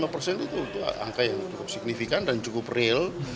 dua puluh dua puluh lima persen itu angka yang cukup signifikan dan cukup real